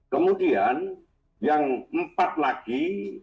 kemudian yang empat lagi